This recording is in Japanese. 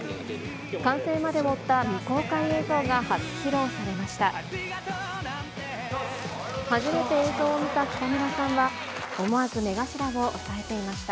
完成までを追った未公開映像が初披露されました。